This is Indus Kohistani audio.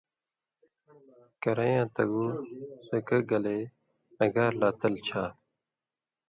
کرئ یاں تگُو زکہ گلے اگار لا تل چھا